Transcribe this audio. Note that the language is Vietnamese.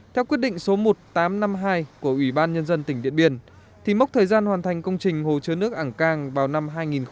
theo quyết định số một nghìn tám trăm năm mươi hai của ủy ban nhân dân tỉnh điện biên thì mốc thời gian hoàn thành công trình hồ chứa nước ảng cang vào năm hai nghìn một mươi